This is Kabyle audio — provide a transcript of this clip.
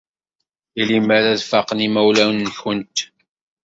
I lemmer ad faqen yimawlan-nwent?